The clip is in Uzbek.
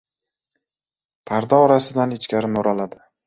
Parda orasidan ichkari mo‘raladi.